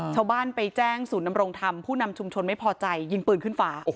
ชาวบ้านไปแจ้งศูนย์นำรงธรรมผู้นำชุมชนไม่พอใจยิงปืนขึ้นฟ้า